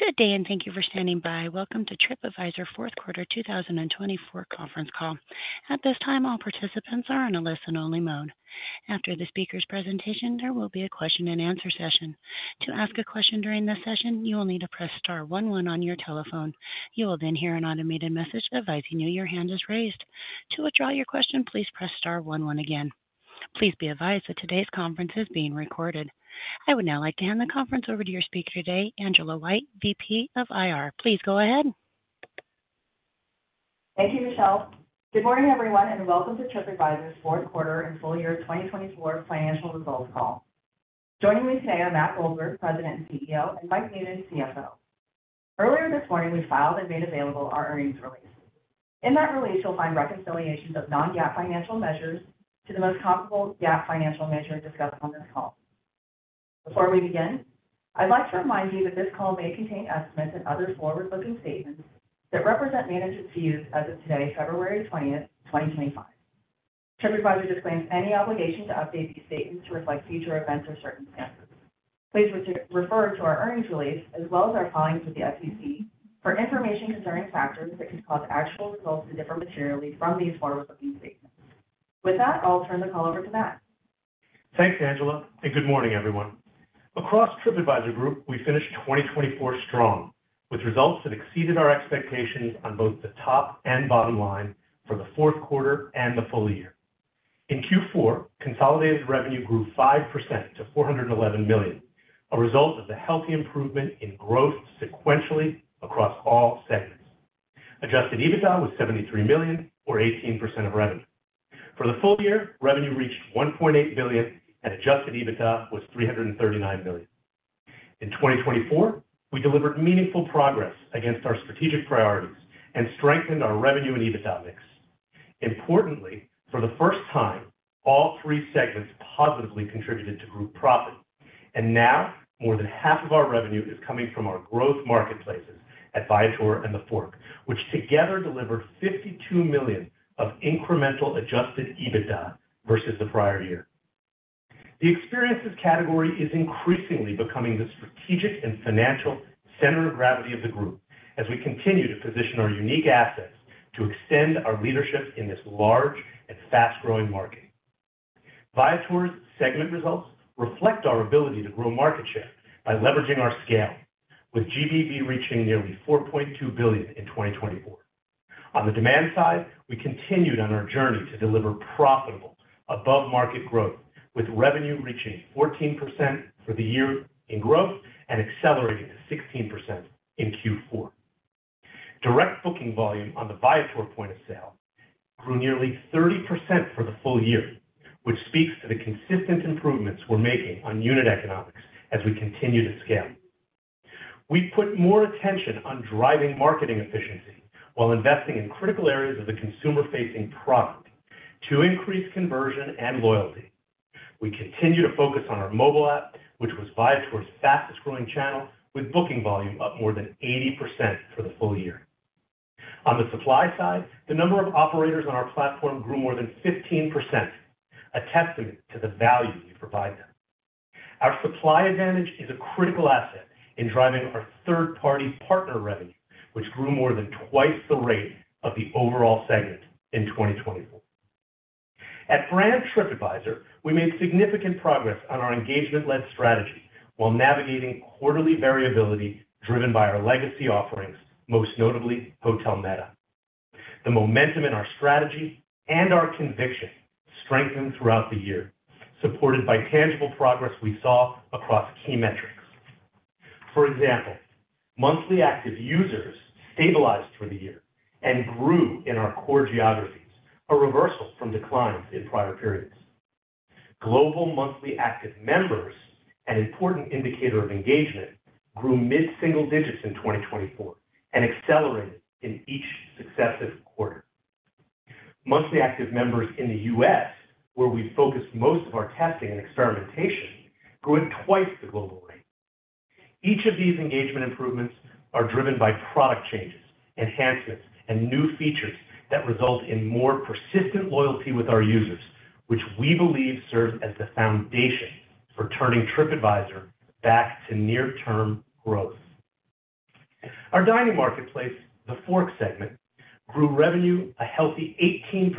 Good day, and thank you for standing by. Welcome to Tripadvisor fourth quarter 2024 conference call. At this time, all participants are on a listen-only mode. After the speaker's presentation, there will be a question-and-answer session. To ask a question during this session, you will need to press star one one on your telephone. You will then hear an automated message advising you your hand is raised. To withdraw your question, please press star one one again. Please be advised that today's conference is being recorded. I would now like to hand the conference over to your speaker today, Angela White, VP of IR. Please go ahead. Thank you, Michelle. Good morning, everyone, and welcome to Tripadvisor's fourth quarter and full year 2024 financial results call. Joining me today are Matt Goldberg, President and CEO, and Michael Noonan, CFO. Earlier this morning, we filed and made available our earnings release. In that release, you'll find reconciliations of non-GAAP financial measures to the most comparable GAAP financial measure discussed on this call. Before we begin, I'd like to remind you that this call may contain estimates and other forward-looking statements that represent management's views as of today, February 20th, 2025. Tripadvisor disclaims any obligation to update these statements to reflect future events or circumstances. Please refer to our earnings release, as well as our filings with the SEC, for information concerning factors that could cause actual results to differ materially from these forward-looking statements. With that, I'll turn the call over to Matt. Thanks, Angela, and good morning, everyone. Across Tripadvisor Group, we finished 2024 strong, with results that exceeded our expectations on both the top and bottom line for the fourth quarter and the full year. In Q4, consolidated revenue grew 5% to $411 million, a result of the healthy improvement in growth sequentially across all segments. Adjusted EBITDA was $73 million, or 18% of revenue. For the full year, revenue reached $1.8 billion, and Adjusted EBITDA was $339 million. In 2024, we delivered meaningful progress against our strategic priorities and strengthened our revenue and EBITDA mix. Importantly, for the first time, all three segments positively contributed to group profit, and now more than half of our revenue is coming from our growth marketplaces at Viator and TheFork, which together delivered $52 million of incremental Adjusted EBITDA versus the prior year. The experiences category is increasingly becoming the strategic and financial center of gravity of the group as we continue to position our unique assets to extend our leadership in this large and fast-growing market. Viator's segment results reflect our ability to grow market share by leveraging our scale, with GBV reaching nearly $4.2 billion in 2024. On the demand side, we continued on our journey to deliver profitable above-market growth, with revenue reaching 14% for the year in growth and accelerating to 16% in Q4. Direct booking volume on the Viator point of sale grew nearly 30% for the full year, which speaks to the consistent improvements we're making on unit economics as we continue to scale. We put more attention on driving marketing efficiency while investing in critical areas of the consumer-facing product to increase conversion and loyalty. We continue to focus on our mobile app, which was Viator's fastest-growing channel, with booking volume up more than 80% for the full year. On the supply side, the number of operators on our platform grew more than 15%, a testament to the value we provide them. Our supply advantage is a critical asset in driving our third-party partner revenue, which grew more than twice the rate of the overall segment in 2024. At Brand Tripadvisor, we made significant progress on our engagement-led strategy while navigating quarterly variability driven by our legacy offerings, most notably Hotel Meta. The momentum in our strategy and our conviction strengthened throughout the year, supported by tangible progress we saw across key metrics. For example, monthly active users stabilized for the year and grew in our core geographies, a reversal from declines in prior periods. Global monthly active members, an important indicator of engagement, grew mid-single digits in 2024 and accelerated in each successive quarter. Monthly active members in the U.S., where we focused most of our testing and experimentation, grew at twice the global rate. Each of these engagement improvements is driven by product changes, enhancements, and new features that result in more persistent loyalty with our users, which we believe serves as the foundation for turning Tripadvisor back to near-term growth. Our dining marketplace, TheFork segment, grew revenue a healthy 18%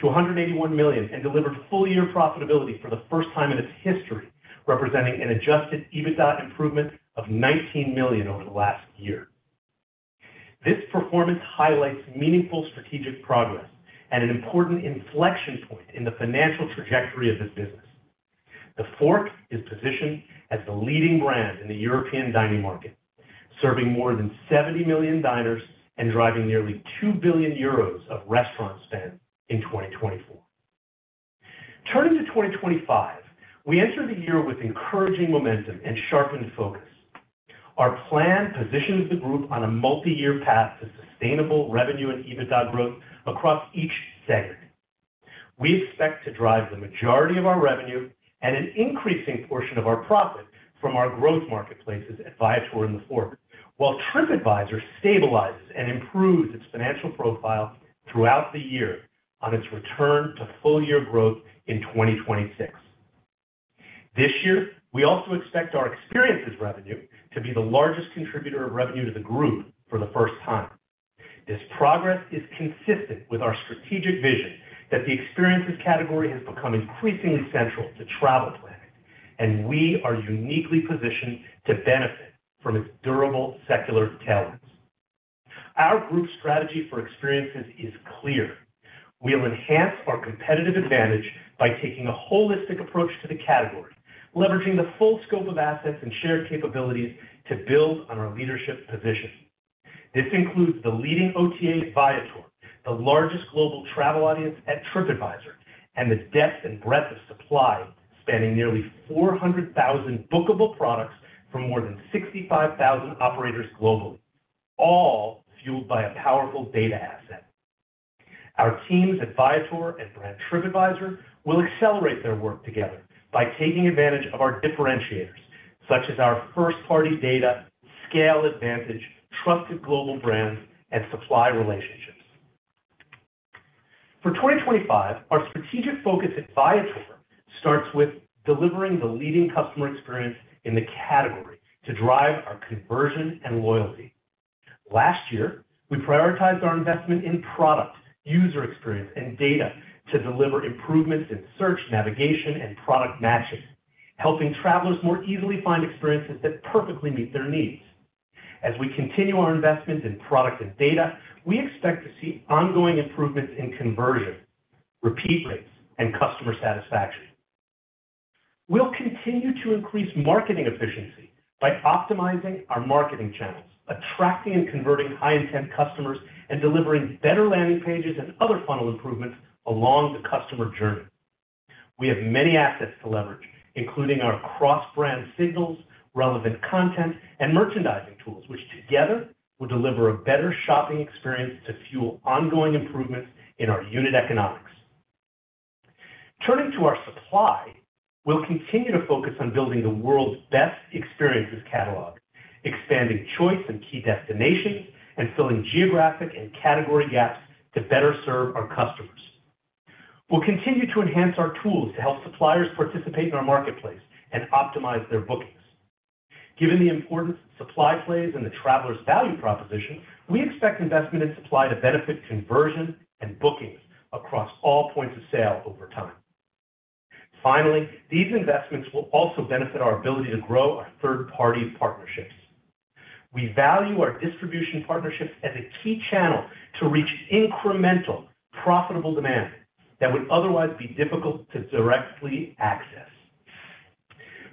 to $181 million and delivered full-year profitability for the first time in its history, representing an Adjusted EBITDA improvement of $19 million over the last year. This performance highlights meaningful strategic progress and an important inflection point in the financial trajectory of this business. TheFork is positioned as the leading brand in the European dining market, serving more than 70 million diners and driving nearly 2 billion euros of restaurant spend in 2024. Turning to 2025, we enter the year with encouraging momentum and sharpened focus. Our plan positions the group on a multi-year path to sustainable revenue and EBITDA growth across each segment. We expect to drive the majority of our revenue and an increasing portion of our profit from our growth marketplaces at Viator and TheFork, while Tripadvisor stabilizes and improves its financial profile throughout the year on its return to full-year growth in 2026. This year, we also expect our experiences revenue to be the largest contributor of revenue to the group for the first time. This progress is consistent with our strategic vision that the experiences category has become increasingly central to travel planning, and we are uniquely positioned to benefit from its durable secular tailwinds. Our group strategy for experiences is clear. We'll enhance our competitive advantage by taking a holistic approach to the category, leveraging the full scope of assets and shared capabilities to build on our leadership position. This includes the leading OTA at Viator, the largest global travel audience at Tripadvisor, and the depth and breadth of supply spanning nearly 400,000 bookable products from more than 65,000 operators globally, all fueled by a powerful data asset. Our teams at Viator and Brand Tripadvisor will accelerate their work together by taking advantage of our differentiators, such as our first-party data, scale advantage, trusted global brands, and supply relationships. For 2025, our strategic focus at Viator starts with delivering the leading customer experience in the category to drive our conversion and loyalty. Last year, we prioritized our investment in product, user experience, and data to deliver improvements in search, navigation, and product matching, helping travelers more easily find experiences that perfectly meet their needs. As we continue our investment in product and data, we expect to see ongoing improvements in conversion, repeat rates, and customer satisfaction. We'll continue to increase marketing efficiency by optimizing our marketing channels, attracting and converting high-intent customers, and delivering better landing pages and other funnel improvements along the customer journey. We have many assets to leverage, including our cross-brand signals, relevant content, and merchandising tools, which together will deliver a better shopping experience to fuel ongoing improvements in our unit economics. Turning to our supply, we'll continue to focus on building the world's best experiences catalog, expanding choice and key destinations, and filling geographic and category gaps to better serve our customers. We'll continue to enhance our tools to help suppliers participate in our marketplace and optimize their bookings. Given the importance of supply plays and the traveler's value proposition, we expect investment in supply to benefit conversion and bookings across all points of sale over time. Finally, these investments will also benefit our ability to grow our third-party partnerships. We value our distribution partnerships as a key channel to reach incremental profitable demand that would otherwise be difficult to directly access.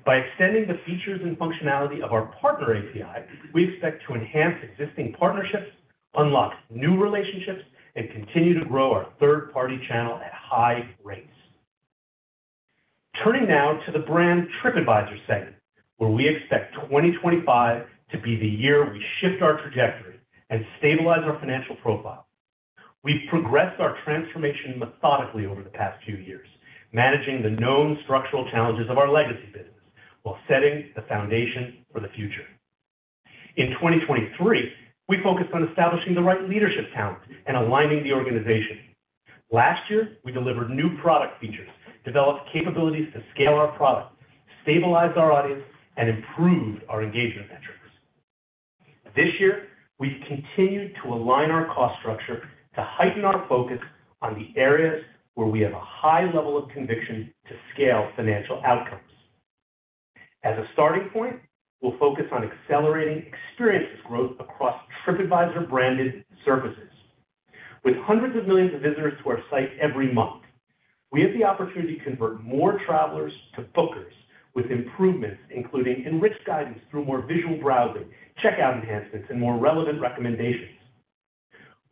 By extending the features and functionality of our partner API, we expect to enhance existing partnerships, unlock new relationships, and continue to grow our third-party channel at high rates. Turning now to the Brand Tripadvisor segment, where we expect 2025 to be the year we shift our trajectory and stabilize our financial profile. We've progressed our transformation methodically over the past few years, managing the known structural challenges of our legacy business while setting the foundation for the future. In 2023, we focused on establishing the right leadership talent and aligning the organization. Last year, we delivered new product features, developed capabilities to scale our product, stabilized our audience, and improved our engagement metrics. This year, we've continued to align our cost structure to heighten our focus on the areas where we have a high level of conviction to scale financial outcomes. As a starting point, we'll focus on accelerating experiences growth across Tripadvisor branded surfaces. With hundreds of millions of visitors to our site every month, we have the opportunity to convert more travelers to bookers with improvements, including enriched guidance through more visual browsing, checkout enhancements, and more relevant recommendations.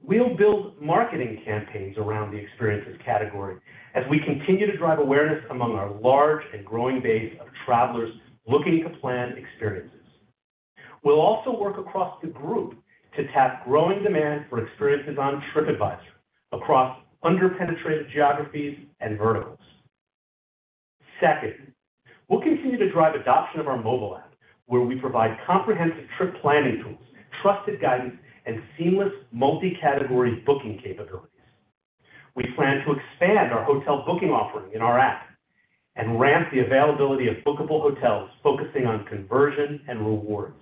We'll build marketing campaigns around the experiences category as we continue to drive awareness among our large and growing base of travelers looking to plan experiences. We'll also work across the group to tap growing demand for experiences on Tripadvisor across under-penetrated geographies and verticals. Second, we'll continue to drive adoption of our mobile app, where we provide comprehensive trip planning tools, trusted guidance, and seamless multi-category booking capabilities. We plan to expand our hotel booking offering in our app and ramp the availability of bookable hotels, focusing on conversion and rewards.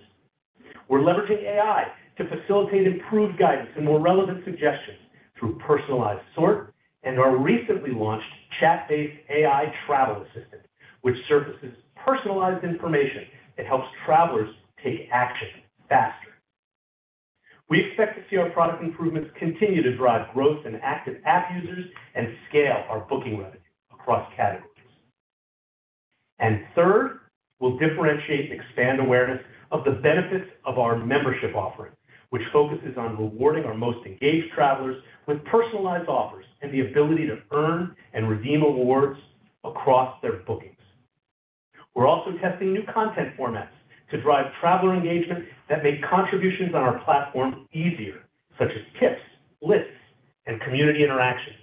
We're leveraging AI to facilitate improved guidance and more relevant suggestions through personalized sort and our recently launched chat-based AI travel assistant, which surfaces personalized information that helps travelers take action faster. We expect to see our product improvements continue to drive growth in active app users and scale our booking revenue across categories. And third, we'll differentiate and expand awareness of the benefits of our membership offering, which focuses on rewarding our most engaged travelers with personalized offers and the ability to earn and redeem awards across their bookings. We're also testing new content formats to drive traveler engagement that make contributions on our platform easier, such as tips, lists, and community interactions.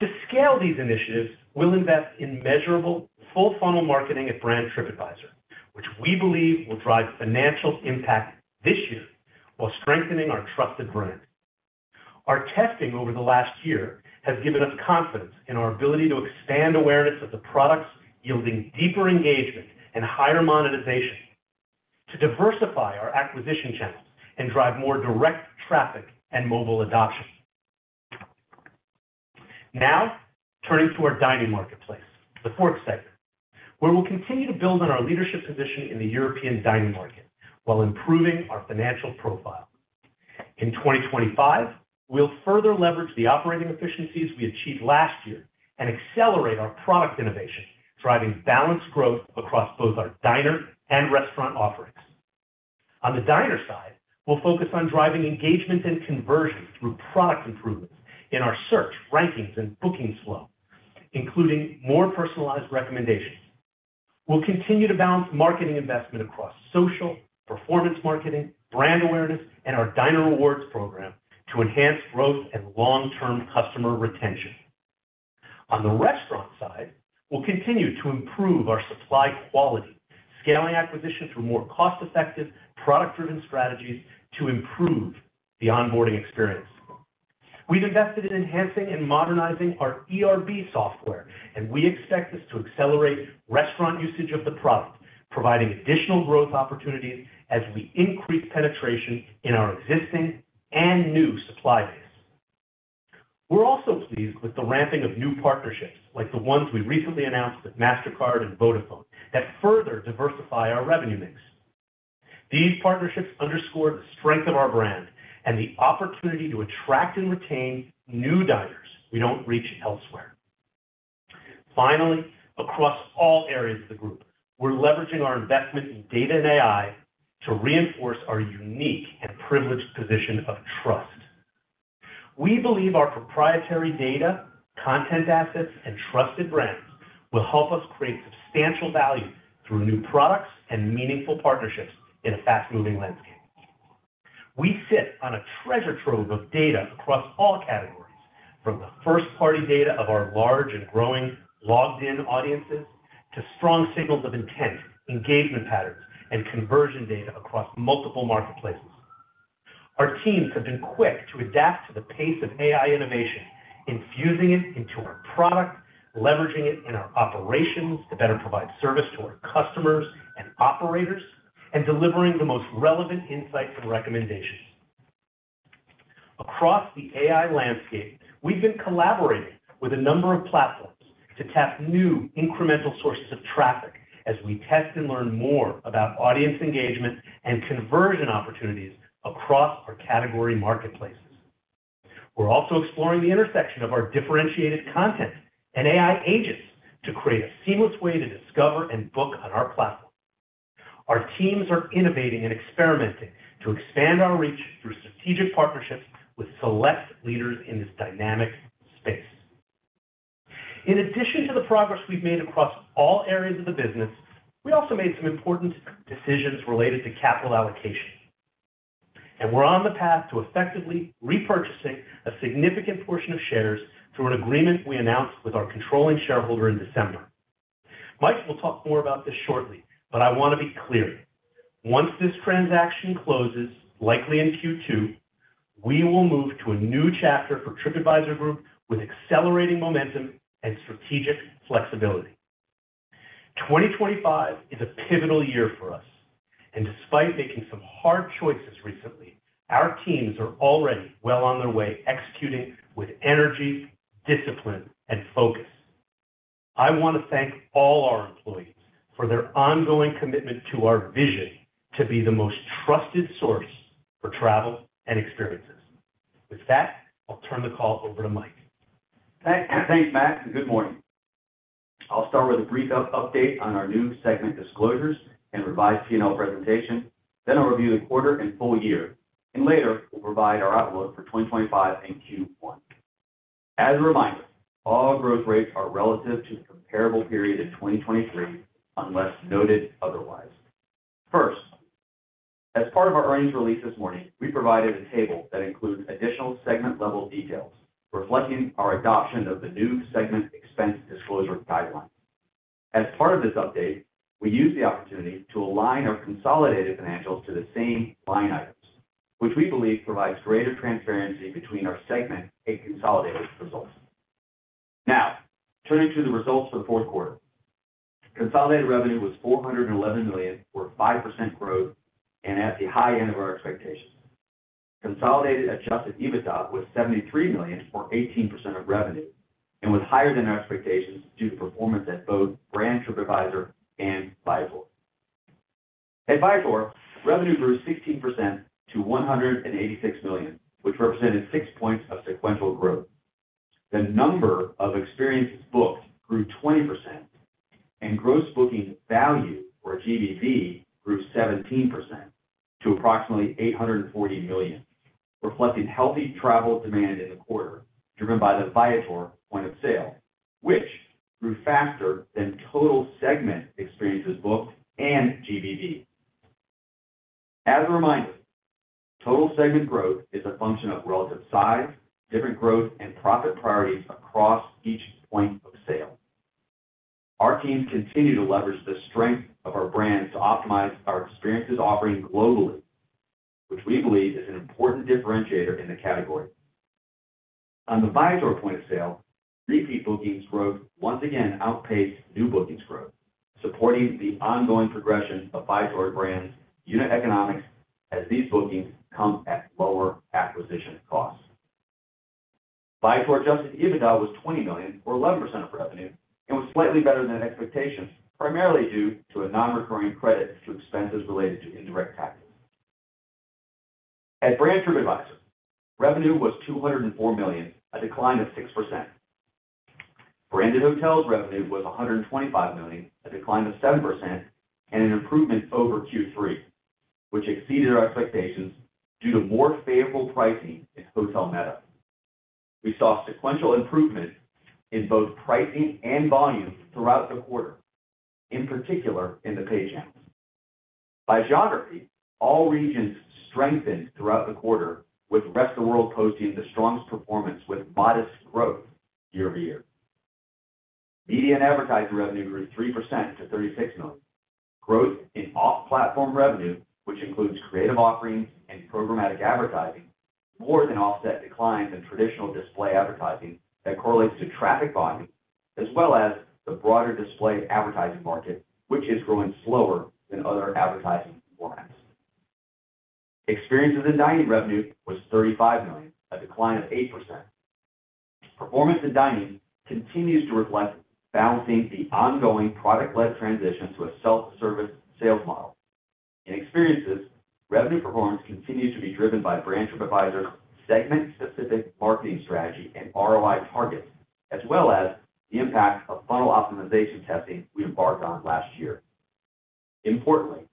To scale these initiatives, we'll invest in measurable full-funnel marketing at Brand Tripadvisor, which we believe will drive financial impact this year while strengthening our trusted brand. Our testing over the last year has given us confidence in our ability to expand awareness of the products yielding deeper engagement and higher monetization to diversify our acquisition channels and drive more direct traffic and mobile adoption. Now, turning to our dining marketplace, TheFork segment, where we'll continue to build on our leadership position in the European dining market while improving our financial profile. In 2025, we'll further leverage the operating efficiencies we achieved last year and accelerate our product innovation, driving balanced growth across both our diner and restaurant offerings. On the diner side, we'll focus on driving engagement and conversion through product improvements in our search, rankings, and booking flow, including more personalized recommendations. We'll continue to balance marketing investment across social, performance marketing, brand awareness, and our diner rewards program to enhance growth and long-term customer retention. On the restaurant side, we'll continue to improve our supply quality, scaling acquisition through more cost-effective, product-driven strategies to improve the onboarding experience. We've invested in enhancing and modernizing our ERB software, and we expect this to accelerate restaurant usage of the product, providing additional growth opportunities as we increase penetration in our existing and new supply base. We're also pleased with the ramping of new partnerships, like the ones we recently announced with Mastercard and Vodafone, that further diversify our revenue mix. These partnerships underscore the strength of our brand and the opportunity to attract and retain new diners we don't reach elsewhere. Finally, across all areas of the group, we're leveraging our investment in data and AI to reinforce our unique and privileged position of trust. We believe our proprietary data, content assets, and trusted brands will help us create substantial value through new products and meaningful partnerships in a fast-moving landscape. We sit on a treasure trove of data across all categories, from the first-party data of our large and growing logged-in audiences to strong signals of intent, engagement patterns, and conversion data across multiple marketplaces. Our teams have been quick to adapt to the pace of AI innovation, infusing it into our product, leveraging it in our operations to better provide service to our customers and operators, and delivering the most relevant insights and recommendations. Across the AI landscape, we've been collaborating with a number of platforms to tap new incremental sources of traffic as we test and learn more about audience engagement and conversion opportunities across our category marketplaces. We're also exploring the intersection of our differentiated content and AI agents to create a seamless way to discover and book on our platform. Our teams are innovating and experimenting to expand our reach through strategic partnerships with select leaders in this dynamic space. In addition to the progress we've made across all areas of the business, we also made some important decisions related to capital allocation, and we're on the path to effectively repurchasing a significant portion of shares through an agreement we announced with our controlling shareholder in December. Mike will talk more about this shortly, but I want to be clear: once this transaction closes, likely in Q2, we will move to a new chapter for Tripadvisor Group with accelerating momentum and strategic flexibility. 2025 is a pivotal year for us, and despite making some hard choices recently, our teams are already well on their way executing with energy, discipline, and focus. I want to thank all our employees for their ongoing commitment to our vision to be the most trusted source for travel and experiences. With that, I'll turn the call over to Mike. Thanks, Matt. Good morning. I'll start with a brief update on our new segment disclosures and revised P&L presentation. Then I'll review the quarter and full year, and later we'll provide our outlook for 2025 and Q1. As a reminder, all growth rates are relative to the comparable period of 2023 unless noted otherwise. First, as part of our earnings release this morning, we provided a table that includes additional segment-level details reflecting our adoption of the new segment expense disclosure guidelines. As part of this update, we used the opportunity to align our consolidated financials to the same line items, which we believe provides greater transparency between our segment and consolidated results. Now, turning to the results for the fourth quarter, consolidated revenue was $411 million, or 5% growth, and at the high end of our expectations. Consolidated Adjusted EBITDA was $73 million, or 18% of revenue, and was higher than our expectations due to performance at both Brand Tripadvisor and Viator. At Viator, revenue grew 16% to $186 million, which represented six points of sequential growth. The number of experiences booked grew 20%, and gross booking value, or GBV, grew 17% to approximately $840 million, reflecting healthy travel demand in the quarter driven by the Viator point of sale, which grew faster than total segment experiences booked and GBV. As a reminder, total segment growth is a function of relative size, different growth, and profit priorities across each point of sale. Our teams continue to leverage the strength of our brand to optimize our experiences offering globally, which we believe is an important differentiator in the category. On the Viator point of sale, repeat bookings growth once again outpaced new bookings growth, supporting the ongoing progression of Viator brand's unit economics as these bookings come at lower acquisition costs. Viator Adjusted EBITDA was $20 million, or 11% of revenue, and was slightly better than expectations, primarily due to a non-recurring credit to expenses related to indirect taxes. At Brand Tripadvisor, revenue was $204 million, a decline of 6%. Branded Hotels revenue was $125 million, a decline of 7%, and an improvement over Q3, which exceeded our expectations due to more favorable pricing in Hotel Meta. We saw sequential improvement in both pricing and volume throughout the quarter, in particular in the paid channels. By geography, all regions strengthened throughout the quarter, with Rest of World posting the strongest performance with modest growth year-over-year. Media and Advertising revenue grew 3% to $36 million. Growth in off-platform revenue, which includes creative offerings and programmatic advertising, more than offset declines in traditional display advertising that correlates to traffic volume, as well as the broader display advertising market, which is growing slower than other advertising formats. Experiences and Dining revenue was $35 million, a decline of 8%. Performance in dining continues to reflect balancing the ongoing product-led transition to a self-service sales model. In experiences, revenue performance continues to be driven by Brand Tripadvisor's segment-specific marketing strategy and ROI targets, as well as the impact of funnel optimization testing we embarked on last year. Importantly,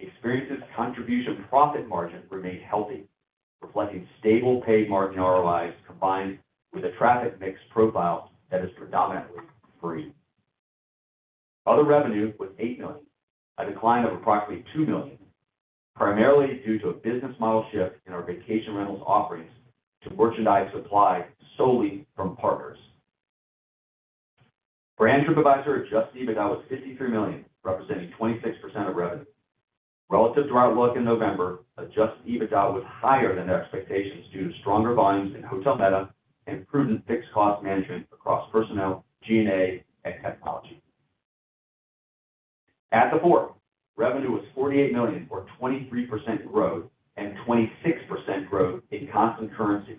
experiences' contribution profit margin remained healthy, reflecting stable paid margin ROIs combined with a traffic mix profile that is predominantly free. Other revenue was $8 million, a decline of approximately $2 million, primarily due to a business model shift in our vacation rentals offerings to merchandise supplied solely from partners. Brand Tripadvisor Adjusted EBITDA was $53 million, representing 26% of revenue. Relative to our outlook in November, Adjusted EBITDA was higher than expectations due to stronger volumes in Hotel Meta and prudent fixed cost management across personnel, G&A, and technology. At TheFork, revenue was $48 million, or 23% growth, and 26% growth in constant currency,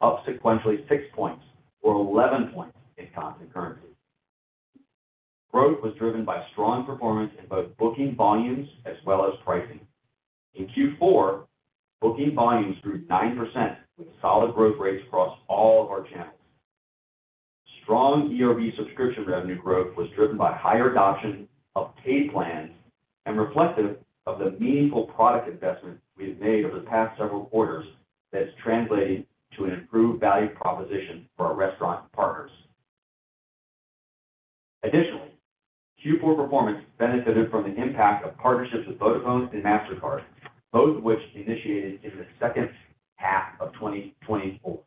up sequentially 6 points, or 11 points in constant currency. Growth was driven by strong performance in both booking volumes as well as pricing. In Q4, booking volumes grew 9% with solid growth rates across all of our channels. Strong ERB subscription revenue growth was driven by higher adoption of paid plans and reflective of the meaningful product investment we've made over the past several quarters that's translated to an improved value proposition for our restaurant partners. Additionally, Q4 performance benefited from the impact of partnerships with Vodafone and Mastercard, both of which initiated in the second half of 2024.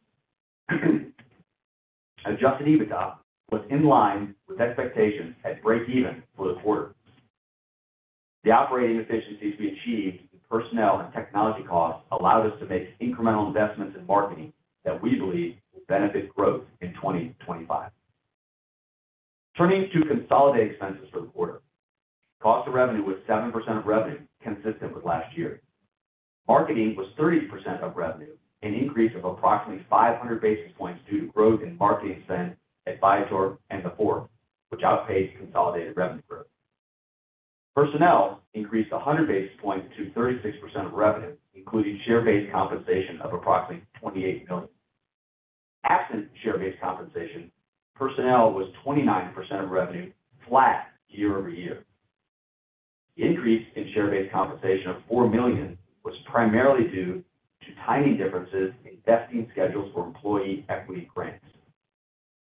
Adjusted EBITDA was in line with expectations at break-even for the quarter. The operating efficiencies we achieved in personnel and technology costs allowed us to make incremental investments in marketing that we believe will benefit growth in 2025. Turning to consolidated expenses for the quarter, cost of revenue was 7% of revenue, consistent with last year. Marketing was 30% of revenue, an increase of approximately 500 basis points due to growth in marketing spend at Viator and TheFork, which outpaced consolidated revenue growth. Personnel increased 100 basis points to 36% of revenue, including share-based compensation of approximately $28 million. Absent share-based compensation, personnel was 29% of revenue, flat year-over-year. The increase in share-based compensation of $4 million was primarily due to timing differences in vesting schedules for employee equity grants.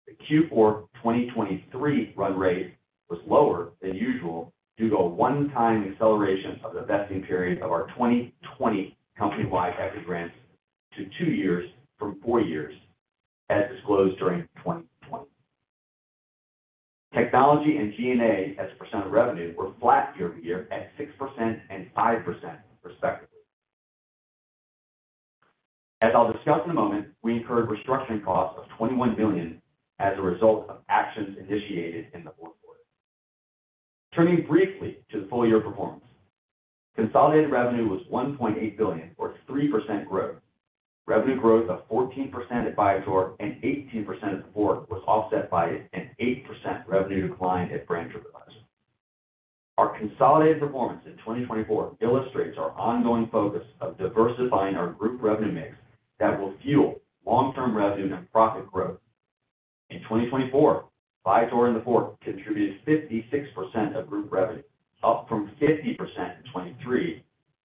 The Q4 2023 run rate was lower than usual due to a one-time acceleration of the vesting period of our 2020 company-wide equity grants to two years from four years, as disclosed during 2020. Technology and G&A as a percent of revenue were flat year-over-year at 6% and 5%, respectively. As I'll discuss in a moment, we incurred restructuring costs of $21 million as a result of actions initiated in the fourth quarter. Turning briefly to the full-year performance, consolidated revenue was $1.8 billion, or 3% growth. Revenue growth of 14% at Viator and 18% at TheFork was offset by an 8% revenue decline at Brand Tripadvisor. Our consolidated performance in 2024 illustrates our ongoing focus of diversifying our group revenue mix that will fuel long-term revenue and profit growth. In 2024, Viator and TheFork contributed 56% of group revenue, up from 50% in 2023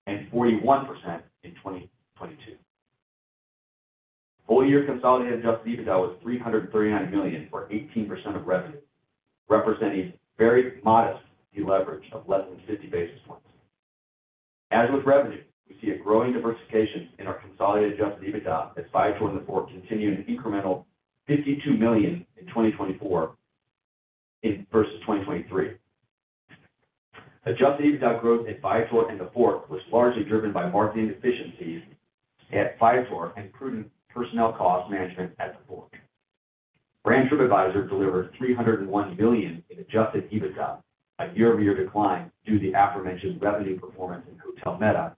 and 41% in 2022. Full-year consolidated Adjusted EBITDA was $339 million, or 18% of revenue, representing very modest deleverage of less than 50 basis points. As with revenue, we see a growing diversification in our consolidated Adjusted EBITDA as Viator and TheFork continue an incremental $52 million in 2024 versus 2023. Adjusted EBITDA growth at Viator and TheFork was largely driven by marketing efficiencies at Viator and prudent personnel cost management at TheFork. Brand Tripadvisor delivered $301 million in Adjusted EBITDA, a year-over-year decline due to the aforementioned revenue performance in Hotel Meta,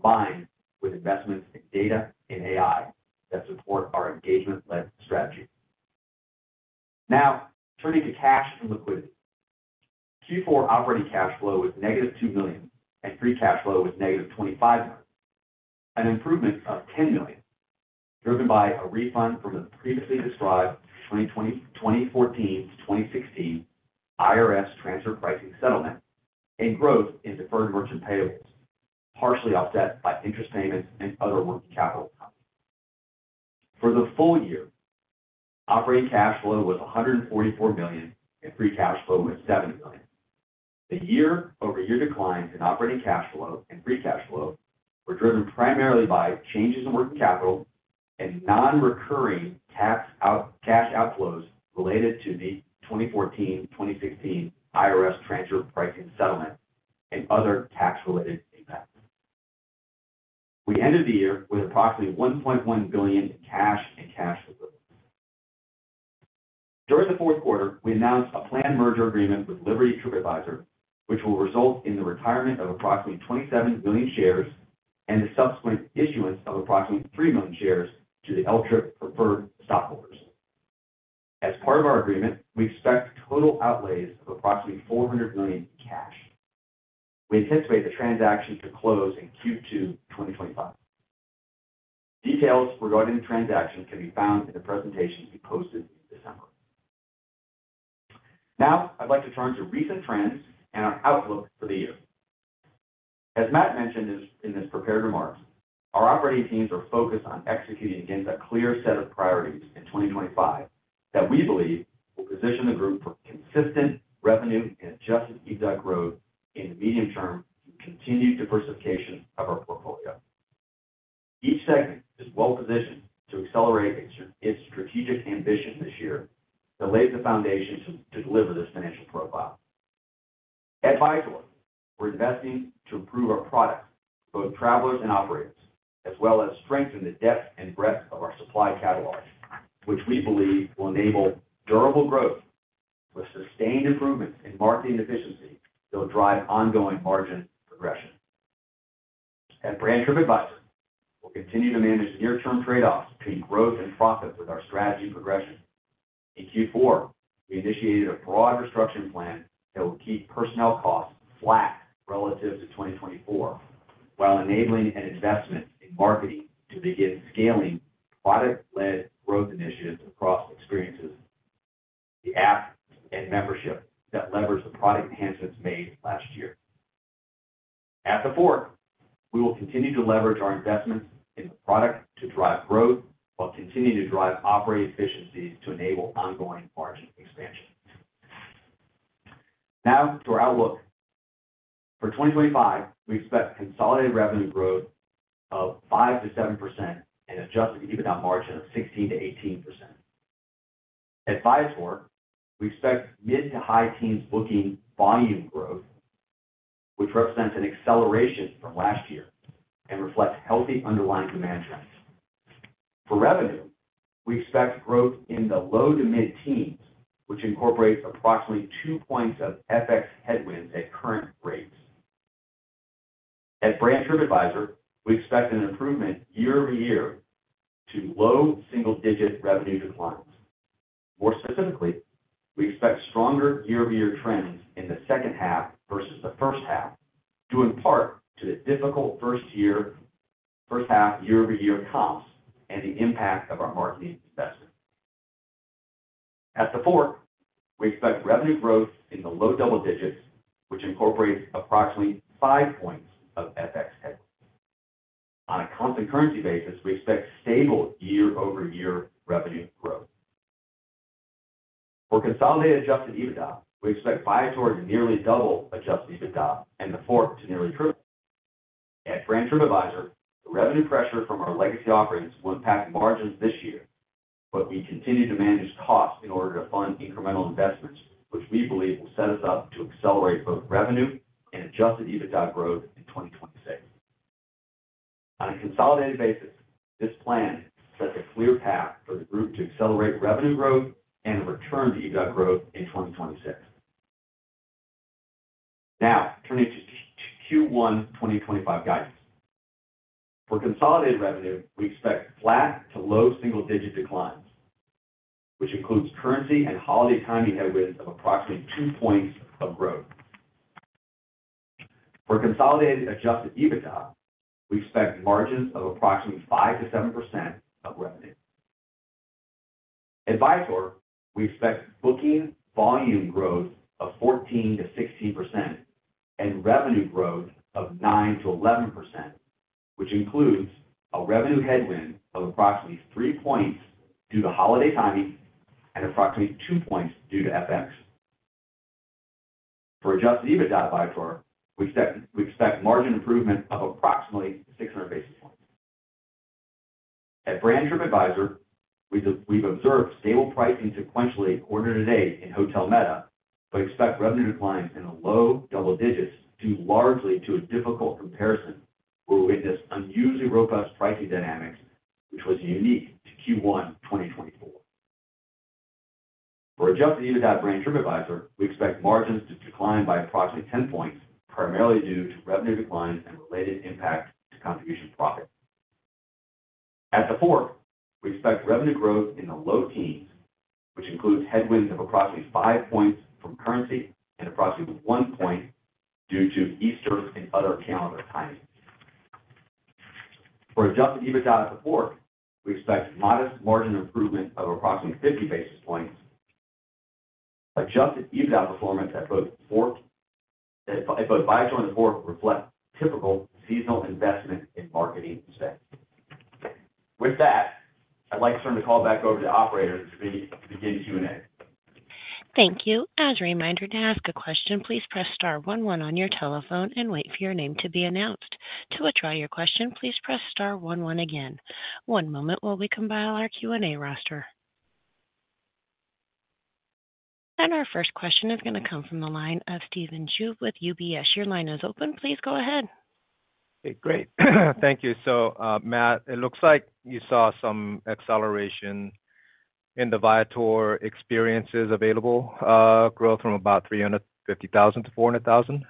combined with investments in data and AI that support our engagement-led strategy. Now, turning to cash and liquidity. Q4 operating cash flow was negative $2 million, and free cash flow was negative $25 million. An improvement of $10 million, driven by a refund from the previously described 2014 to 2016 IRS transfer pricing settlement and growth in deferred merchant payables, partially offset by interest payments and other working capital changes. For the full year, operating cash flow was $144 million, and free cash flow was $7 million. The year-over-year decline in operating cash flow and free cash flow were driven primarily by changes in working capital and non-recurring cash outflows related to the 2014-2016 IRS transfer pricing settlement and other tax-related impacts. We ended the year with approximately $1.1 billion in cash and cash equivalents. During the fourth quarter, we announced a planned merger agreement with Liberty Tripadvisor, which will result in the retirement of approximately 27 million shares and the subsequent issuance of approximately 3 million shares to the Liberty Tripadvisor preferred stockholders. As part of our agreement, we expect total outlays of approximately $400 million in cash. We anticipate the transaction to close in Q2 2025. Details regarding the transaction can be found in the presentation we posted in December. Now, I'd like to turn to recent trends and our outlook for the year. As Matt mentioned in his prepared remarks, our operating teams are focused on executing against a clear set of priorities in 2025 that we believe will position the group for consistent revenue and Adjusted EBITDA growth in the medium term through continued diversification of our portfolio. Each segment is well-positioned to accelerate its strategic ambition this year, to lay the foundation to deliver this financial profile. At Viator, we're investing to improve our products, both travelers and operators, as well as strengthen the depth and breadth of our supply catalog, which we believe will enable durable growth with sustained improvements in marketing efficiency that will drive ongoing margin progression. At Brand Tripadvisor, we'll continue to manage near-term trade-offs between growth and profit with our strategy progression. In Q4, we initiated a broad restructuring plan that will keep personnel costs flat relative to 2024, while enabling an investment in marketing to begin scaling product-led growth initiatives across experiences, the app, and membership that leverage the product enhancements made last year. At TheFork, we will continue to leverage our investments in the product to drive growth while continuing to drive operating efficiencies to enable ongoing margin expansion. Now, to our outlook. For 2025, we expect consolidated revenue growth of 5% to 7% and Adjusted EBITDA margin of 16% to 18%. At Viator, we expect mid- to high teens booking volume growth, which represents an acceleration from last year and reflects healthy underlying demand trends. For revenue, we expect growth in the low- to mid-teens, which incorporates approximately 2 points of FX headwinds at current rates. At Brand Tripadvisor, we expect an improvement year-over-year to low single-digit revenue declines. More specifically, we expect stronger year-over-year trends in the second half versus the first half, due in part to the difficult first half year-over-year comps and the impact of our marketing investment. At TheFork, we expect revenue growth in the low double digits, which incorporates approximately 5 points of FX headwinds. On a constant currency basis, we expect stable year-over-year revenue growth. For consolidated Adjusted EBITDA, we expect Viator to nearly double Adjusted EBITDA and TheFork to nearly triple. At Brand Tripadvisor, the revenue pressure from our legacy offerings will impact margins this year, but we continue to manage costs in order to fund incremental investments, which we believe will set us up to accelerate both revenue and Adjusted EBITDA growth in 2026. On a consolidated basis, this plan sets a clear path for the group to accelerate revenue growth and return to EBITDA growth in 2026. Now, turning to Q1 2025 guidance. For consolidated revenue, we expect flat to low single-digit declines, which includes currency and holiday timing headwinds of approximately 2 points of growth. For consolidated Adjusted EBITDA, we expect margins of approximately 5%-7% of revenue. At Viator, we expect booking volume growth of 14% to 16% and revenue growth of 9% to 11%, which includes a revenue headwind of approximately 3 points due to holiday timing and approximately 2 points due to FX. For Adjusted EBITDA at Viator, we expect margin improvement of approximately 600 basis points. At Brand Tripadvisor, we've observed stable pricing sequentially quarter-to-date in Hotel Meta, but expect revenue declines in the low double digits due largely to a difficult comparison where we witnessed unusually robust pricing dynamics, which was unique to Q1 2024. For Adjusted EBITDA at Brand Tripadvisor, we expect margins to decline by approximately 10 points, primarily due to revenue declines and related impact to contribution profit. At TheFork, we expect revenue growth in the low teens, which includes headwinds of approximately 5 points from currency and approximately 1 point due to Easter and other calendar timing. For Adjusted EBITDA at TheFork, we expect modest margin improvement of approximately 50 basis points. Adjusted EBITDA performance at both Viator and TheFork reflects typical seasonal investment in marketing spend. With that, I'd like to turn the call back over to the operators to begin Q&A. Thank you. As a reminder, to ask a question, please press star one one on your telephone and wait for your name to be announced. To withdraw your question, please press star one one again. One moment while we compile our Q&A roster, and our first question is going to come from the line of Stephen Ju with UBS. Your line is open. Please go ahead. Okay, great. Thank you. So, Matt, it looks like you saw some acceleration in the Viator experiences available growth from about 350,000 to 400,000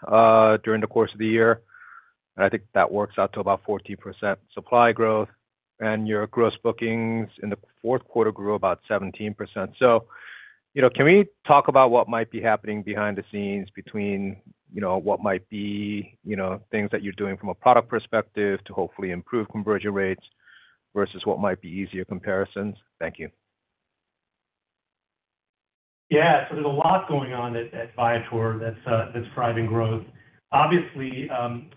during the course of the year. And I think that works out to about 14% supply growth. And your gross bookings in the fourth quarter grew about 17%. So can we talk about what might be happening behind the scenes between what might be things that you're doing from a product perspective to hopefully improve conversion rates versus what might be easier comparisons? Thank you. Yeah, so there's a lot going on at Viator that's driving growth. Obviously,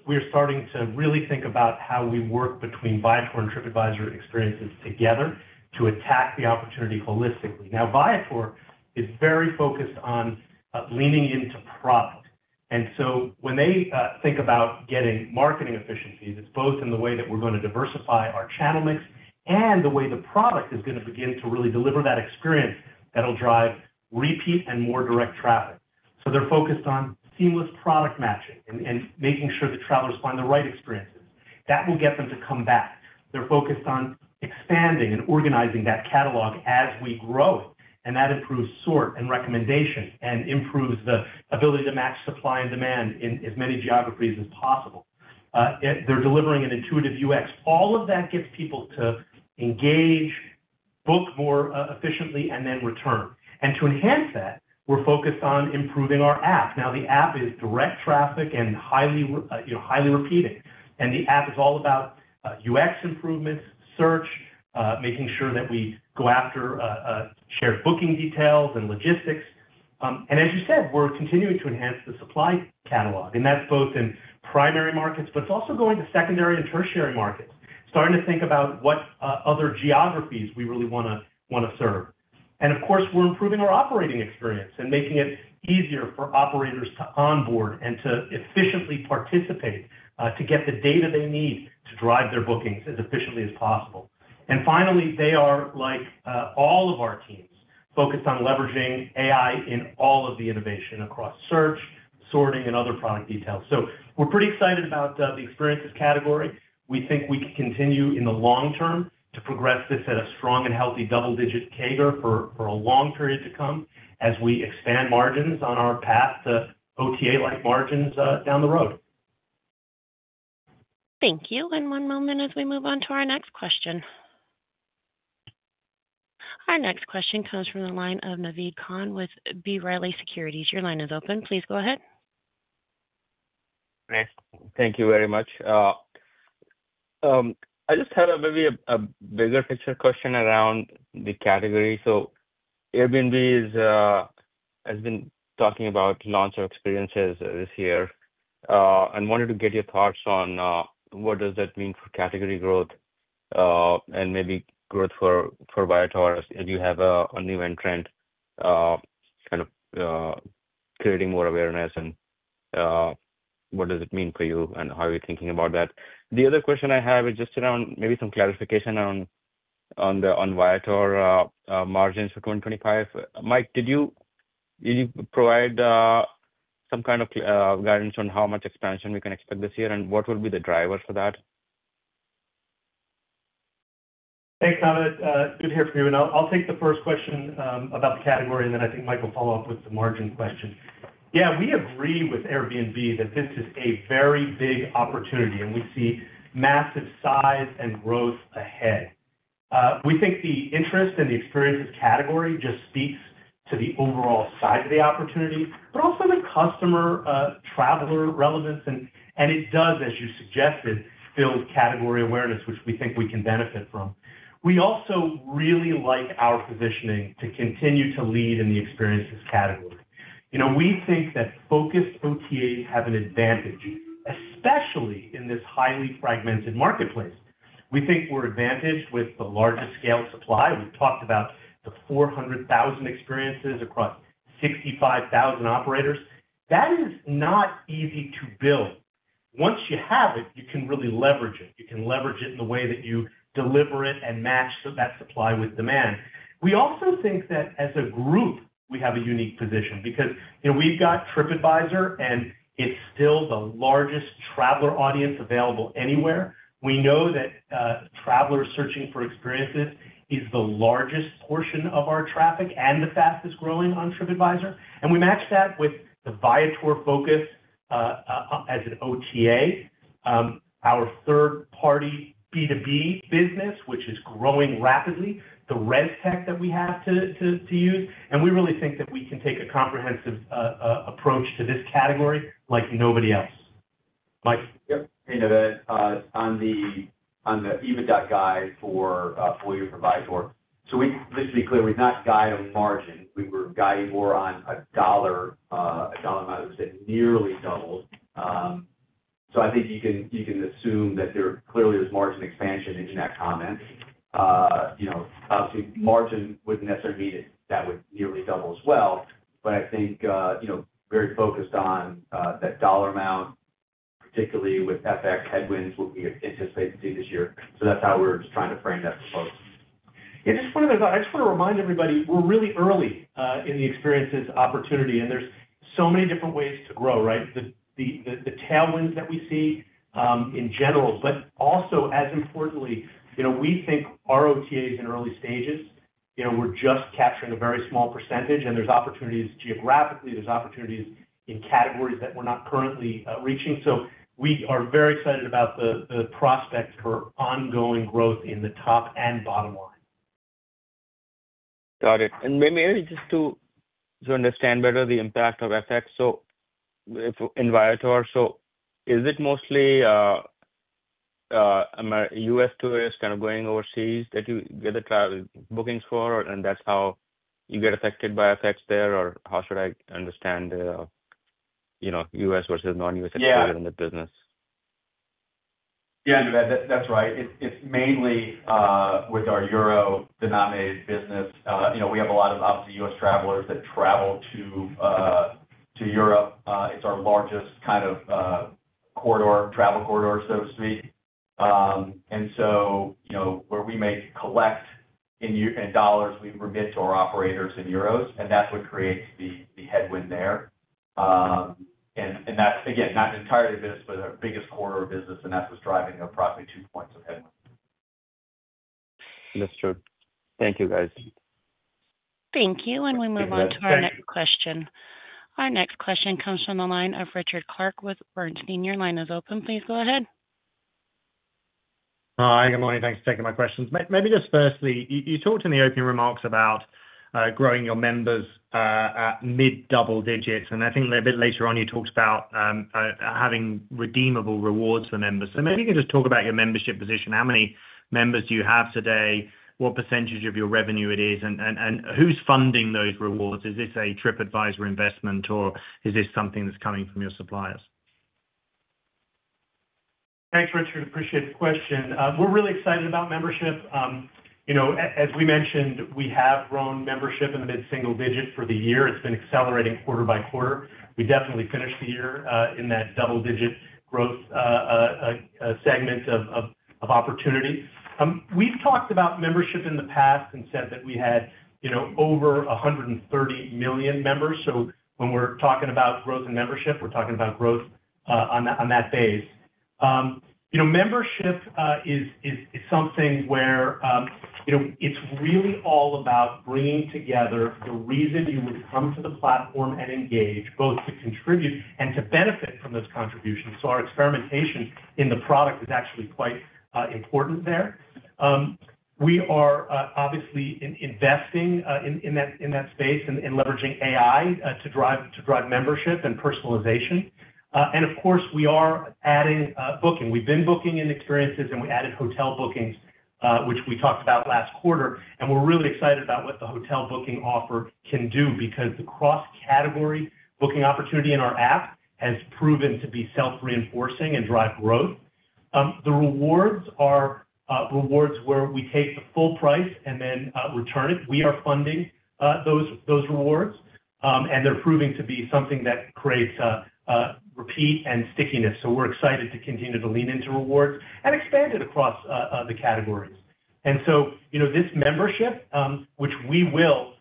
we're starting to really think about how we work between Viator and Tripadvisor Experiences together to attack the opportunity holistically. Now, Viator is very focused on leaning into product. And so when they think about getting marketing efficiencies, it's both in the way that we're going to diversify our channel mix and the way the product is going to begin to really deliver that experience that'll drive repeat and more direct traffic. So they're focused on seamless product matching and making sure the travelers find the right experiences. That will get them to come back. They're focused on expanding and organizing that catalog as we grow it. And that improves sort and recommendation and improves the ability to match supply and demand in as many geographies as possible. They're delivering an intuitive UX. All of that gets people to engage, book more efficiently, and then return. And to enhance that, we're focused on improving our app. Now, the app is direct traffic and highly repeating. And the app is all about UX improvements, search, making sure that we go after shared booking details and logistics. And as you said, we're continuing to enhance the supply catalog. And that's both in primary markets, but it's also going to secondary and tertiary markets, starting to think about what other geographies we really want to serve. And of course, we're improving our operating experience and making it easier for operators to onboard and to efficiently participate to get the data they need to drive their bookings as efficiently as possible. And finally, they are like all of our teams, focused on leveraging AI in all of the innovation across search, sorting, and other product details. So we're pretty excited about the experiences category. We think we can continue in the long term to progress this at a strong and healthy double-digit CAGR for a long period to come as we expand margins on our path to OTA-like margins down the road. Thank you. And one moment as we move on to our next question. Our next question comes from the line of Naved Khan with B. Riley Securities. Your line is open. Please go ahead. Thank you very much. I just had maybe a bigger picture question around the category. So Airbnb has been talking about launch of experiences this year and wanted to get your thoughts on what does that mean for category growth and maybe growth for Viator as you have a new entrant kind of creating more awareness and what does it mean for you and how are you thinking about that? The other question I have is just around maybe some clarification on Viator margins for 2025. Mike, did you provide some kind of guidance on how much expansion we can expect this year and what will be the drivers for that? Thanks, Naved. Good to hear from you. And I'll take the first question about the category, and then I think Mike will follow up with the margin question. Yeah, we agree with Airbnb that this is a very big opportunity, and we see massive size and growth ahead. We think the interest and the experiences category just speaks to the overall size of the opportunity, but also the customer traveler relevance. And it does, as you suggested, build category awareness, which we think we can benefit from. We also really like our positioning to continue to lead in the experiences category. We think that focused OTAs have an advantage, especially in this highly fragmented marketplace. We think we're advantaged with the largest scale supply. We've talked about the 400,000 experiences across 65,000 operators. That is not easy to build. Once you have it, you can really leverage it. You can leverage it in the way that you deliver it and match that supply with demand. We also think that as a group, we have a unique position because we've got Tripadvisor, and it's still the largest traveler audience available anywhere. We know that travelers searching for experiences is the largest portion of our traffic and the fastest growing on Tripadvisor. We match that with the Viator focus as an OTA, our third-party B2B business, which is growing rapidly, the ResTech that we have to use. And we really think that we can take a comprehensive approach to this category like nobody else. Mike. Yep. You know, that on the EBITDA guide for Q2 for Viator. So just to be clear, we've not guided a margin. We were guiding more on a dollar amount that was nearly doubled. So I think you can assume that there clearly is margin expansion in that comment. Obviously, margin wouldn't necessarily mean that would nearly double as well. But I think very focused on that dollar amount, particularly with FX headwinds we anticipate to see this year. So that's how we're trying to frame that for folks. Yeah, just one other thought. I just want to remind everybody we're really early in the experiences opportunity, and there's so many different ways to grow, right? The tailwinds that we see in general, but also as importantly, we think our OTAs in early stages, we're just capturing a very small percentage, and there's opportunities geographically. There's opportunities in categories that we're not currently reaching. So we are very excited about the prospects for ongoing growth in the top and bottom line. Got it. And maybe just to understand better the impact of FX in Viator, so is it mostly U.S. tourists kind of going overseas that you get the travel bookings for, and that's how you get affected by FX there? Or how should I understand U.S. Vs non-U.S. in the business? Yeah, that's right. It's mainly with our euro-denominated business. We have a lot of obviously U.S. travelers that travel to Europe. It's our largest kind of corridor, travel corridor, so to speak. And so where we collect in dollars, we remit to our operators in euros, and that's what creates the headwind there. And that's, again, not entirely new business, but our biggest chunk of business, and that's what's driving approximately two points of headwind. That's true. Thank you, guys. Thank you. And we move on to our next question. Our next question comes from the line of Richard Clarke with Bernstein. Line is open. Please go ahead. Hi, good morning. Thanks for taking my questions. Maybe just firstly, you talked in the opening remarks about growing your members at mid-double digits. And I think a bit later on, you talked about having redeemable rewards for members. So maybe you can just talk about your membership position. How many members do you have today? What percentage of your revenue it is? And who's funding those rewards? Is this a Tripadvisor investment, or is this something that's coming from your suppliers? Thanks, Richard. Appreciate the question. We're really excited about membership. As we mentioned, we have grown membership in the mid-single digit for the year. It's been accelerating quarter by quarter. We definitely finished the year in that double-digit growth segment of opportunity. We've talked about membership in the past and said that we had over 130 million members. So when we're talking about growth in membership, we're talking about growth on that base. Membership is something where it's really all about bringing together the reason you would come to the platform and engage, both to contribute and to benefit from those contributions. So our experimentation in the product is actually quite important there. We are obviously investing in that space and leveraging AI to drive membership and personalization. And of course, we are adding booking. We've been booking in experiences, and we added hotel bookings, which we talked about last quarter, and we're really excited about what the hotel booking offer can do because the cross-category booking opportunity in our app has proven to be self-reinforcing and drive growth. The rewards are rewards where we take the full price and then return it. We are funding those rewards, and they're proving to be something that creates repeat and stickiness, so we're excited to continue to lean into rewards and expand it across the categories, and so this membership, which we will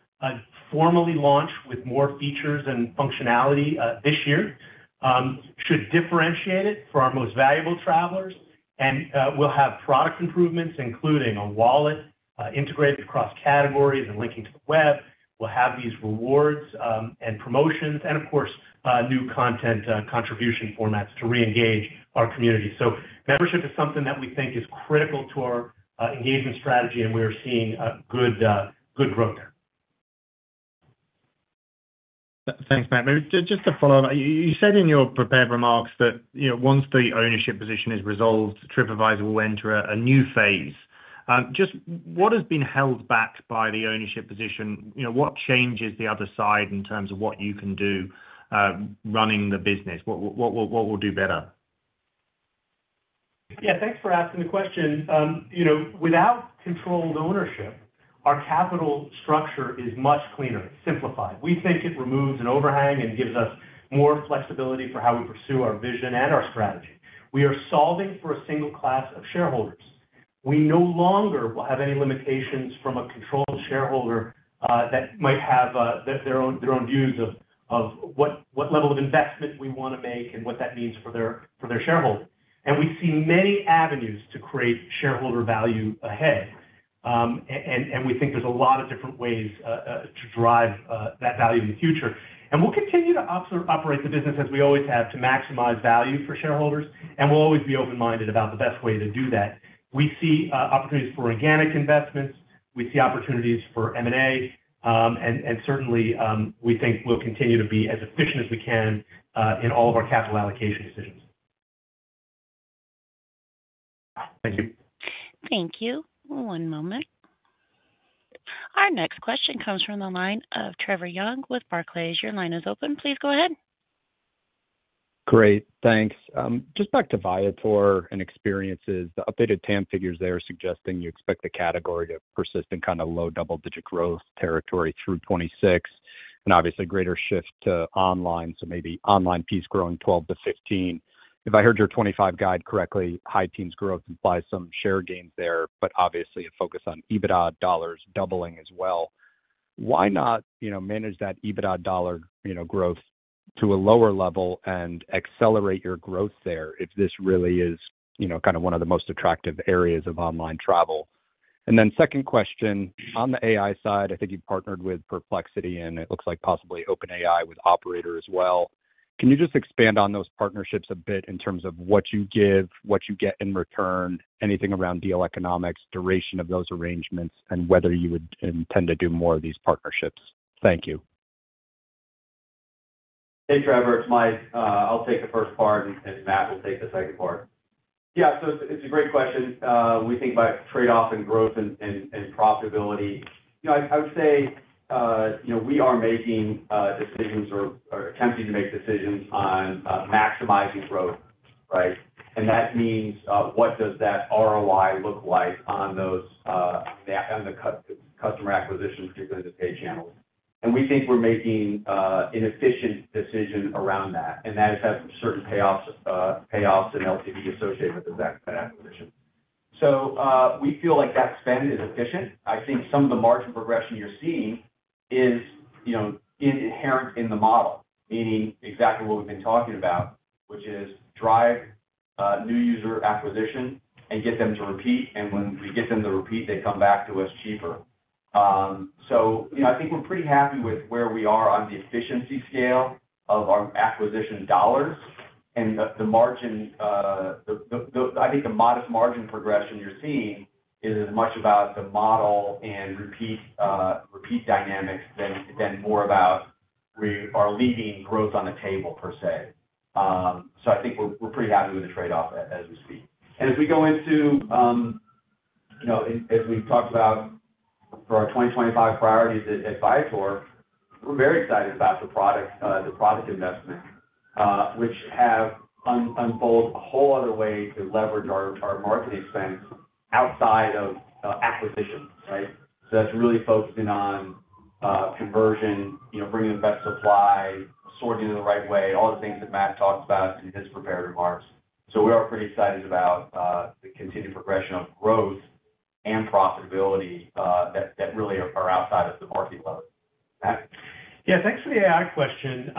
formally launch with more features and functionality this year, should differentiate it for our most valuable travelers, and we'll have product improvements, including a wallet integrated across categories and linking to the web. We'll have these rewards and promotions, and of course, new content contribution formats to re-engage our community. So membership is something that we think is critical to our engagement strategy, and we are seeing good growth there. Thanks, Matt. Just to follow up, you said in your prepared remarks that once the ownership position is resolved, Tripadvisor will enter a new phase. Just what has been held back by the ownership position? What changes the other side in terms of what you can do running the business? What will do better? Yeah, thanks for asking the question. Without controlled ownership, our capital structure is much cleaner, simplified. We think it removes an overhang and gives us more flexibility for how we pursue our vision and our strategy. We are solving for a single class of shareholders. We no longer will have any limitations from a controlled shareholder that might have their own views of what level of investment we want to make and what that means for their shareholder. And we see many avenues to create shareholder value ahead. And we think there's a lot of different ways to drive that value in the future. And we'll continue to operate the business as we always have to maximize value for shareholders. And we'll always be open-minded about the best way to do that. We see opportunities for organic investments. We see opportunities for M&A. And certainly, we think we'll continue to be as efficient as we can in all of our capital allocation decisions. Thank you. Thank you. One moment. Our next question comes from the line of Trevor Young with Barclays. Your line is open. Please go ahead. Great. Thanks. Just back to Viator and experiences. The updated TAM figures there are suggesting you expect the category to persist in kind of low double-digit growth territory through 2026. And obviously, greater shift to online. So maybe online piece growing 12% to 15%. If I heard your 2025 guidance correctly, high teens growth by some share gains there, but obviously a focus on EBITDA dollars doubling as well. Why not manage that EBITDA dollar growth to a lower level and accelerate your growth there if this really is kind of one of the most attractive areas of online travel? And then second question, on the AI side, I think you've partnered with Perplexity, and it looks like possibly OpenAI with Operator as well. Can you just expand on those partnerships a bit in terms of what you give, what you get in return, anything around deal economics, duration of those arrangements, and whether you would intend to do more of these partnerships? Thank you. Hey, Trevor. It's Mike. I'll take the first part, and Matt will take the second part. Yeah. So it's a great question. We think about trade-off and growth and profitability. I would say we are making decisions or attempting to make decisions on maximizing growth, right? And that means what does that ROI look like on the customer acquisition, particularly the pay channels? And we think we're making an efficient decision around that. And that has had certain payoffs and LTV associated with that acquisition. So we feel like that spend is efficient. I think some of the margin progression you're seeing is inherent in the model, meaning exactly what we've been talking about, which is drive new user acquisition and get them to repeat. And when we get them to repeat, they come back to us cheaper. So I think we're pretty happy with where we are on the efficiency scale of our acquisition dollars. And the margin, I think the modest margin progression you're seeing is as much about the model and repeat dynamics than more about we are leaving growth on the table, per se. So I think we're pretty happy with the trade-off as we speak. And as we go into, as we've talked about for our 2025 priorities at Viator, we're very excited about the product investment, which have unfolded a whole other way to leverage our marketing expense outside of acquisition, right? So that's really focusing on conversion, bringing the best supply, sorting it the right way, all the things that Matt talked about in his prepared remarks. So we are pretty excited about the continued progression of growth and profitability that really are outside of the market level. Yeah. Thanks for the AI question.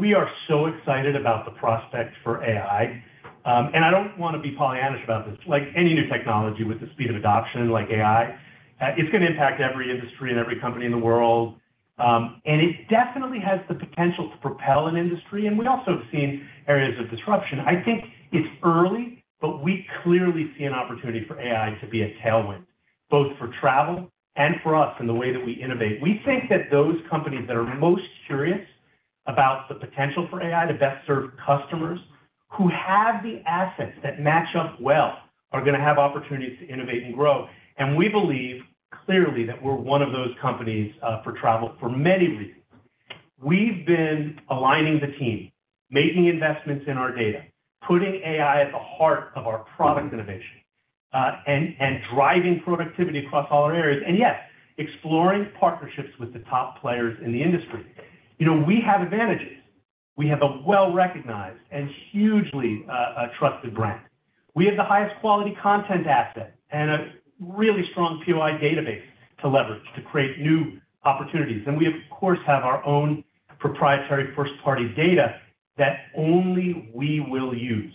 We are so excited about the prospect for AI. And I don't want to be Pollyannish about this. Like any new technology with the speed of adoption like AI, it's going to impact every industry and every company in the world. And it definitely has the potential to propel an industry. And we also have seen areas of disruption. I think it's early, but we clearly see an opportunity for AI to be a tailwind, both for travel and for us in the way that we innovate. We think that those companies that are most curious about the potential for AI to best serve customers who have the assets that match up well are going to have opportunities to innovate and grow, and we believe clearly that we're one of those companies for travel for many reasons. We've been aligning the team, making investments in our data, putting AI at the heart of our product innovation, and driving productivity across all our areas, and yes, exploring partnerships with the top players in the industry. We have advantages. We have a well-recognized and hugely trusted brand. We have the highest quality content asset and a really strong POI database to leverage to create new opportunities, and we, of course, have our own proprietary first-party data that only we will use.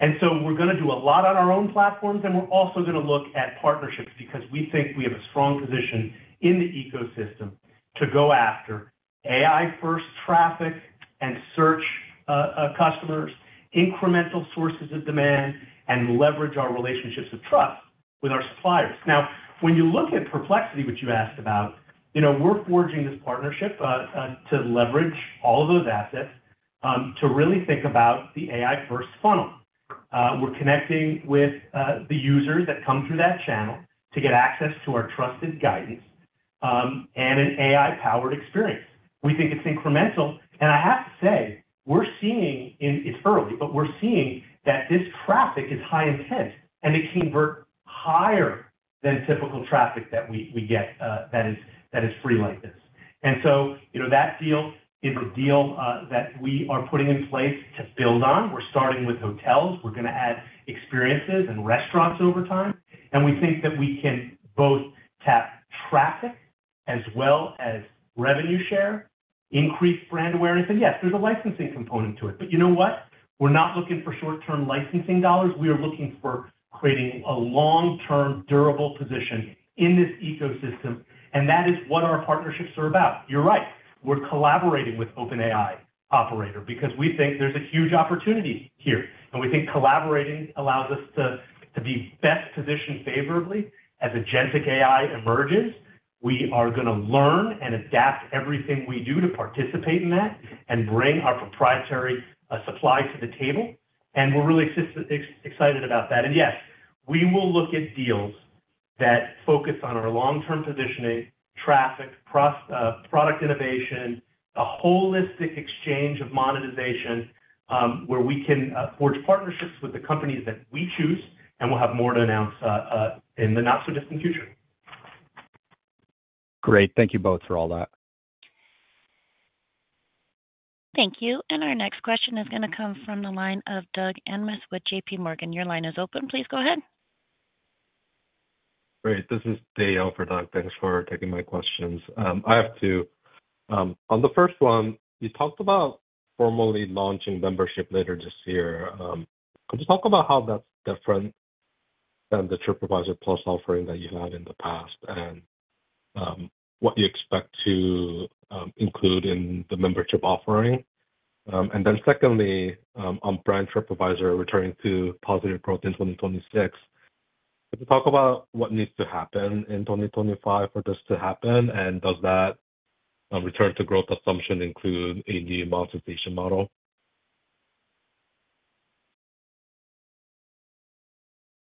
And so we're going to do a lot on our own platforms, and we're also going to look at partnerships because we think we have a strong position in the ecosystem to go after AI-first traffic and search customers, incremental sources of demand, and leverage our relationships of trust with our suppliers. Now, when you look at Perplexity, which you asked about, we're forging this partnership to leverage all of those assets to really think about the AI-first funnel. We're connecting with the users that come through that channel to get access to our trusted guidance and an AI-powered experience. We think it's incremental. And I have to say, we're seeing it's early, but we're seeing that this traffic is high intent, and it can convert higher than typical traffic that we get that is free like this. And so that deal is a deal that we are putting in place to build on. We're starting with hotels. We're going to add experiences and restaurants over time. And we think that we can both tap traffic as well as revenue share, increase brand awareness. And yes, there's a licensing component to it. But you know what? We're not looking for short-term licensing dollars. We are looking for creating a long-term durable position in this ecosystem. And that is what our partnerships are about. You're right. We're collaborating with OpenAI Operator because we think there's a huge opportunity here. And we think collaborating allows us to be best positioned favorably as agentic AI emerges. We are going to learn and adapt everything we do to participate in that and bring our proprietary supply to the table. And we're really excited about that. And yes, we will look at deals that focus on our long-term positioning, traffic, product innovation, a holistic exchange of monetization where we can forge partnerships with the companies that we choose. And we'll have more to announce in the not-so-distant future. Great. Thank you both for all that. Thank you. And our next question is going to come from the line of Douglas Anmuth, J.P. Morgan. Your line is open. Please go ahead. Great. This is Dae for Doug. Thanks for taking my questions. I have two. On the first one, you talked about formally launching membership later this year. Could you talk about how that's different than the Tripadvisor Plus offering that you had in the past and what you expect to include in the membership offering? And then secondly, on Brand Tripadvisor returning to positive growth in 2026, could you talk about what needs to happen in 2025 for this to happen? And does that return to growth assumption include a new monetization model?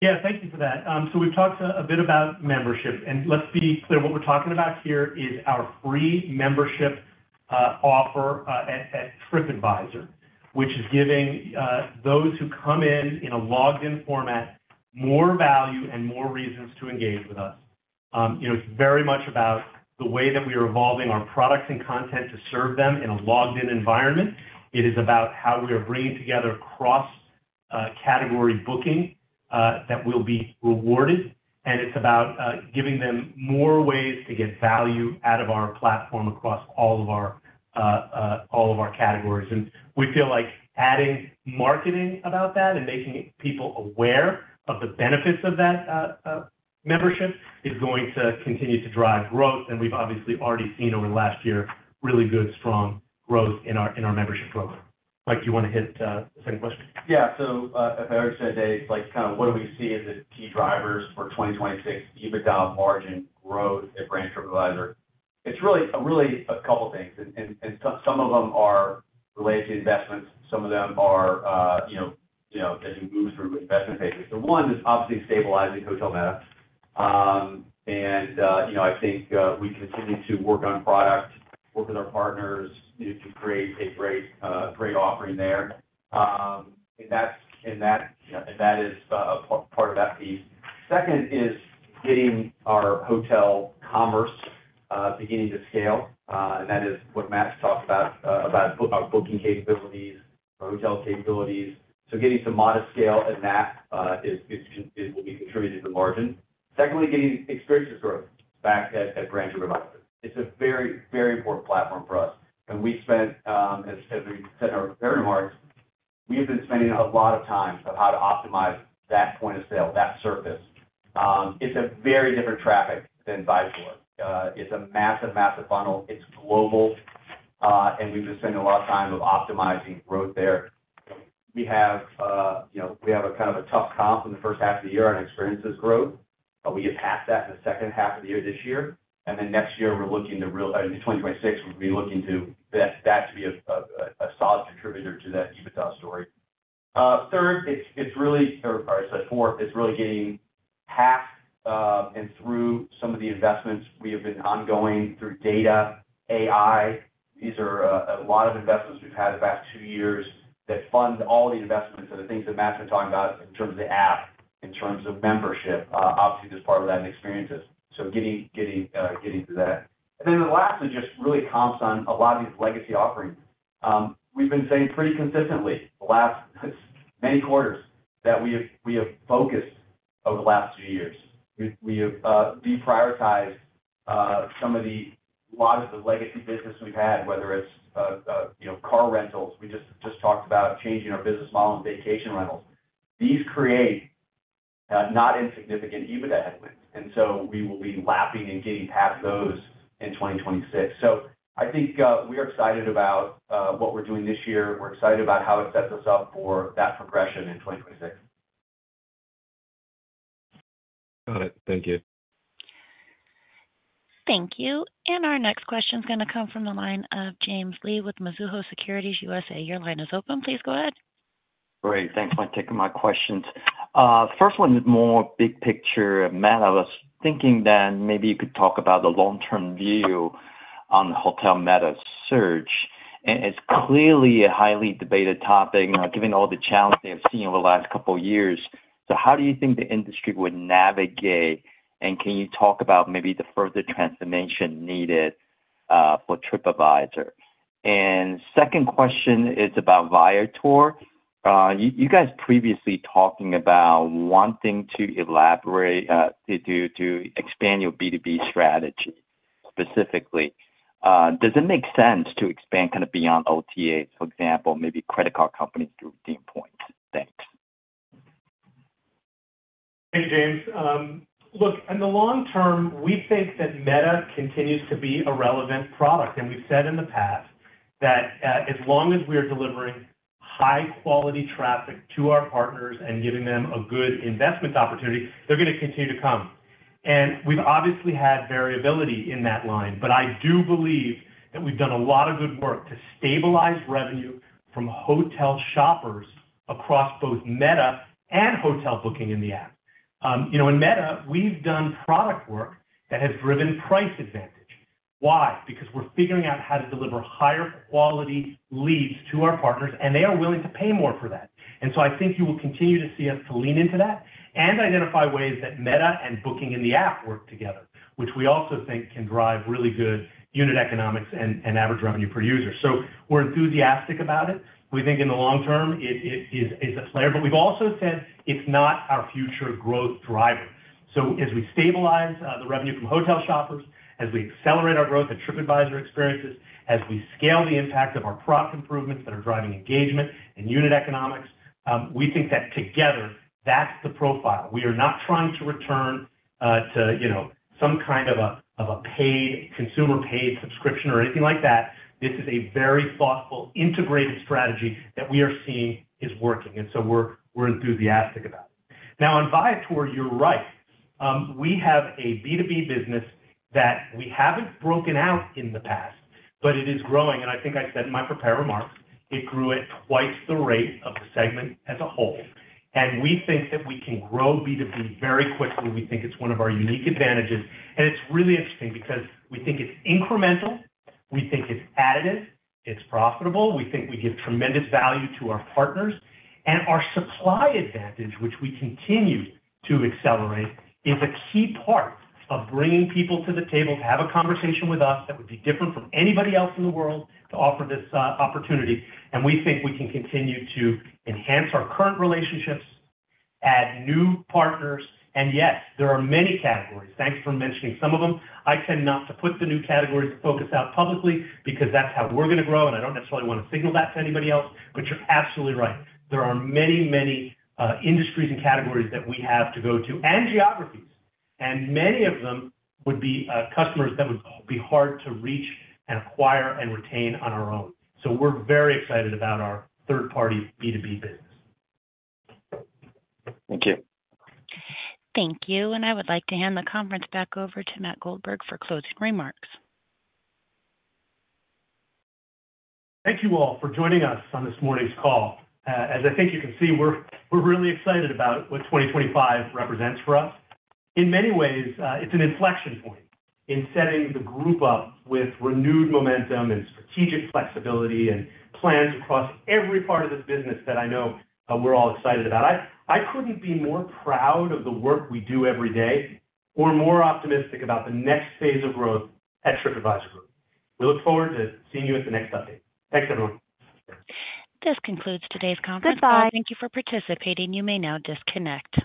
Yeah. Thank you for that. So we've talked a bit about membership. And let's be clear. What we're talking about here is our free membership offer at Tripadvisor, which is giving those who come in in a logged-in format more value and more reasons to engage with us. It's very much about the way that we are evolving our products and content to serve them in a logged-in environment. It is about how we are bringing together cross-category booking that will be rewarded. And it's about giving them more ways to get value out of our platform across all of our categories. And we feel like adding marketing about that and making people aware of the benefits of that membership is going to continue to drive growth. And we've obviously already seen over the last year really good, strong growth in our membership program. Mike, do you want to hit the second question? Yeah. So as Eric said today, it's kind of what do we see as the key drivers for 2026 EBITDA margin growth at Brand Tripadvisor? It's really a couple of things. And some of them are related to investments. Some of them are that you move through with investment tapers. The one is obviously stabilizing Hotel Meta. And I think we continue to work on product, work with our partners to create a great offering there. And that is part of that piece. Second is getting our hotel commerce beginning to scale. And that is what Matt's talked about, about our booking capabilities, our hotel capabilities. So getting some modest scale in that will be contributing to the margin. Secondly, getting experiences growth back at Brand Tripadvisor. It's a very, very important platform for us. And we spent, as we said in our remarks, we have been spending a lot of time on how to optimize that point of sale, that surface. It's a very different traffic than Viator. It's a massive, massive funnel. It's global. And we've been spending a lot of time optimizing growth there. We have a kind of a tough comp in the first half of the year on experiences growth. But we get past that in the second half of the year this year. And then next year, we're looking to really in 2026, we'll be looking to that to be a solid contributor to that EBITDA story. Third, it's really third, sorry, fourth, it's really getting past and through some of the investments we have been ongoing through data, AI. These are a lot of investments we've had the past two years that fund all the investments and the things that Matt's been talking about in terms of the app, in terms of membership, obviously there's part of that in experiences. So getting to that. And then the last is just really comps on a lot of these legacy offerings. We've been saying pretty consistently the last many quarters that we have focused over the last two years. We have deprioritized some of the legacy business we've had, whether it's car rentals. We just talked about changing our business model and vacation rentals. These create not insignificant EBITDA headwinds, and so we will be lapping and getting past those in 2026. So I think we are excited about what we're doing this year. We're excited about how it sets us up for that progression in 2026. Got it. Thank you. Thank you, and our next question is going to come from the line of James Lee with Mizuho Securities USA. Your line is open. Please go ahead. Great. Thanks for taking my questions. First one is more big picture. Matt, I was thinking that maybe you could talk about the long-term view on Hotel Meta's search, and it's clearly a highly debated topic given all the challenges they have seen over the last couple of years, so how do you think the industry would navigate, and can you talk about maybe the further transformation needed for Tripadvisor? And second question is about Viator. You guys previously talked about wanting to elaborate to expand your B2B strategy specifically. Does it make sense to expand kind of beyond OTA, for example, maybe credit card companies through reward points? Thanks. Thank you, James. Look, in the long term, we think that Meta continues to be a relevant product. And we've said in the past that as long as we are delivering high-quality traffic to our partners and giving them a good investment opportunity, they're going to continue to come. And we've obviously had variability in that line. But I do believe that we've done a lot of good work to stabilize revenue from hotel shoppers across both Meta and hotel booking in the app. In Meta, we've done product work that has driven price advantage. Why? Because we're figuring out how to deliver higher quality leads to our partners, and they are willing to pay more for that, and so I think you will continue to see us lean into that and identify ways that Meta and booking in the app work together, which we also think can drive really good unit economics and average revenue per user, so we're enthusiastic about it. We think in the long term, it is a player, but we've also said it's not our future growth driver, so as we stabilize the revenue from hotel shoppers, as we accelerate our growth in Tripadvisor Experiences, as we scale the impact of our product improvements that are driving engagement and unit economics, we think that together, that's the profile. We are not trying to return to some kind of a consumer-paid subscription or anything like that. This is a very thoughtful integrated strategy that we are seeing is working, and so we're enthusiastic about it. Now, on Viator, you're right. We have a B2B business that we haven't broken out in the past, but it is growing, and I think I said in my prepared remarks, it grew at twice the rate of the segment as a whole, and we think that we can grow B2B very quickly. We think it's one of our unique advantages, and it's really interesting because we think it's incremental. We think it's additive. It's profitable. We think we give tremendous value to our partners, and our supply advantage, which we continue to accelerate, is a key part of bringing people to the table to have a conversation with us that would be different from anybody else in the world to offer this opportunity. And we think we can continue to enhance our current relationships, add new partners. And yes, there are many categories. Thanks for mentioning some of them. I tend not to put the new categories and focus out publicly because that's how we're going to grow. And I don't necessarily want to signal that to anybody else. But you're absolutely right. There are many, many industries and categories that we have to go to and geographies. And many of them would be customers that would be hard to reach and acquire and retain on our own. So we're very excited about our third-party B2B business. Thank you. Thank you. And I would like to hand the conference back over to Matt Goldberg for closing remarks. Thank you all for joining us on this morning's call. As I think you can see, we're really excited about what 2025 represents for us. In many ways, it's an inflection point in setting the group up with renewed momentum and strategic flexibility and plans across every part of this business that I know we're all excited about. I couldn't be more proud of the work we do every day or more optimistic about the next phase of growth at Tripadvisor. We look forward to seeing you at the next update. Thanks, everyone. This concludes today's conference call. Goodbye. Thank you for participating. You may now disconnect.